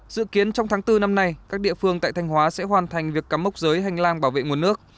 dự kiến trong tháng bốn năm nay các địa phương tại thanh hóa sẽ hoàn thành việc cắm mốc giới hành lang bảo vệ nguồn nước